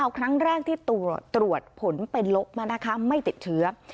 ครั้งแรกที่ตรวจผลเป็นลบไม่ติดเชื้อ